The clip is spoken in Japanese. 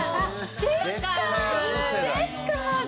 チェッカーズ！